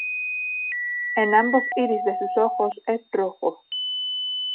En ambos iris de sus ojos es rojo.